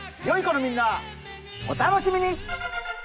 よい子のみんなお楽しみに！